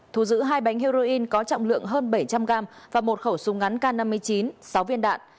thu giữ hai bánh heroin có trọng lượng hơn bảy trăm linh gram và một khẩu súng ngắn k năm mươi chín sáu viên đạn